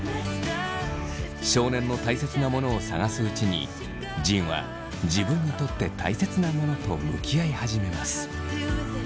少年のたいせつなモノを探すうちに仁は自分にとってたいせつなモノと向き合い始めます。